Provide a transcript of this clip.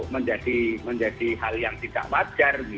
menjadi hal yang tidak wajar